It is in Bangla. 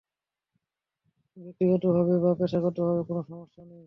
এখন থেকে ব্যক্তিগতভাবে বা পেশাগতভাবে কোনো সমস্যা নেই।